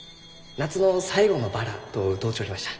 「夏の最後のバラ」と歌うちょりました。